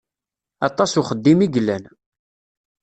Aṭas uxeddim i yellan.